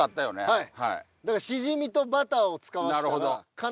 はい。